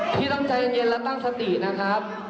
พี่ต้องใจเย็นและตั้งสตินะครับ